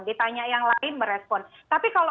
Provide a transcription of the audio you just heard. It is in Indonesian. ditanya yang lain merespon tapi kalau